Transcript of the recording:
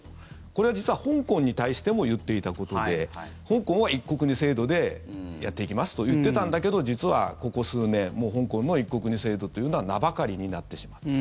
これは実は香港に対しても言っていたことで香港は一国二制度でやっていきますと言っていたんだけど実はここ数年香港の一国二制度というのは名ばかりになってしまった。